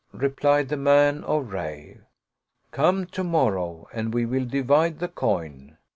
Replied the man of Rayy, " Come to morrow, and we will divide the coin."